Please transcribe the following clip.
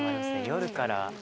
夜から。